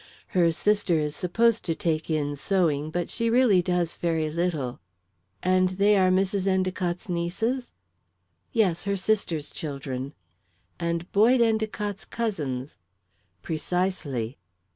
Her sister is supposed to take in sewing, but she really does very little." "And they are Mrs. Endicott's nieces?" "Yes her sister's children." "And Boyd Endicott's cousins?" "Precisely."